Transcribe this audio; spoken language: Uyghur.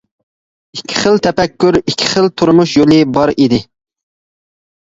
ئىككى خىل تەپەككۇر، ئىككى خىل تۇرمۇش يولى بار ئىدى.